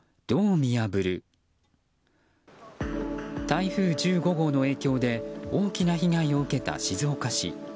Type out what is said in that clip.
台風１５号の影響で大きな被害を受けた静岡市。